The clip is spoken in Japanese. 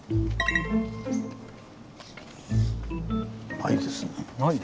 ないですね。